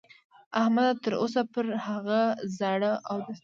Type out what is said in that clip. احمد تر اوسه پر هغه زاړه اودس دی.